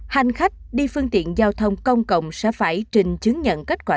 hành khách đi phương tiện giao thông công cộng sẽ phải trình chứng nhận kết quả